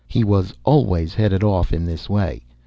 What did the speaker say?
He was always headed off in this way.